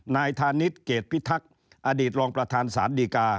นายธานิตเกดพิทักษ์อดีตลองประธานศาสตร์ดีกา